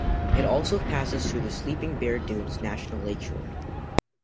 It also passes through the Sleeping Bear Dunes National Lakeshore.